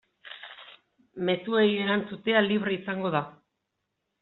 Mezuei erantzutea libre izango da.